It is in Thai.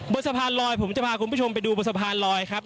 บนสะพานลอยผมจะพาคุณผู้ชมไปดูบนสะพานลอยครับ